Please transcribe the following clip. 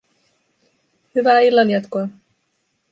Hyvää illanjatkoa